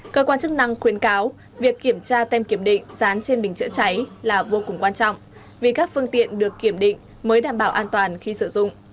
cơ quan chức năng khuyến cáo việc kiểm tra tem kiểm định dán trên bình chữa cháy là vô cùng quan trọng vì các phương tiện được kiểm định mới đảm bảo an toàn khi sử dụng